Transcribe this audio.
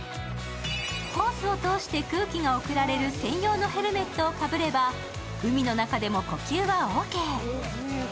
ホースを通して空気が送られる専用のヘルメットをかぶれば、海の中でも呼吸はオーケー。